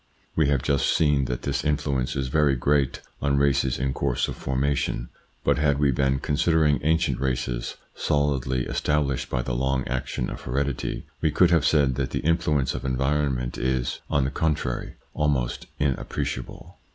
We have just seen that this influence is very great on races in course of formation ; but had we been considering ancient races solidly established by the long action of heredity, we could have said that the influence of environment is, on the contrary, almost inappreciable.